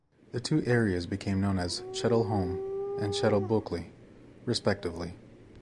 The two areas became known as "Chedle Holme" and "Chedle Bulkeley" respectively.